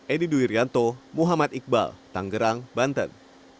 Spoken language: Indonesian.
edi duirianto muhammad iqbal tanggerang banten